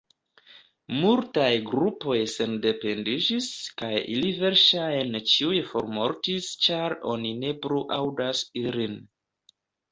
Multaj grupoj sendependiĝis, kaj ili verŝajne ĉiuj formortis ĉar oni ne plu aŭdas ilin.